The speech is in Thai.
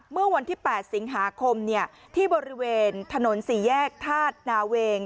เมื่อวันที่๘สิงหาคมที่บริเวณถนน๔แยกธาตุนาเวง